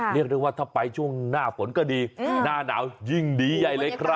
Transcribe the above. เรียกอะไรว่าถ้าไปช่วงหน้าฝนก็ดีหน้านาวยิ่งดีนะไอะเล็กครับ